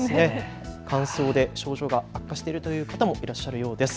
乾燥で症状が悪化しているという方もいらっしゃるようです。